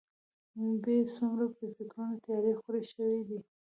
يې څومره په فکرونو تيارې خورې شوي دي.